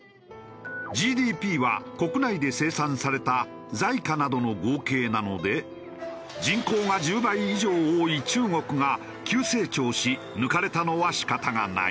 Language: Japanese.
ＧＤＰは国内で生産された財貨などの合計なので人口が１０倍以上多い中国が急成長し抜かれたのは仕方がない。